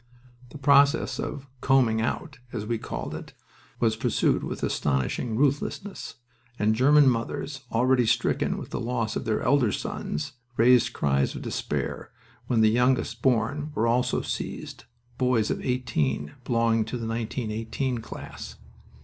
The process of "combing out," as we call it, was pursued with astounding ruthlessness, and German mothers, already stricken with the loss of their elder sons, raised cries of despair when the youngest born were also seized boys of eighteen belonging to the 1918 class.